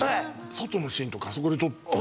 外のシーンとかあそこで撮ったんだ